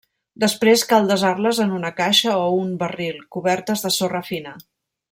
Després cal desar-les en una caixa o un barril, cobertes de sorra fina.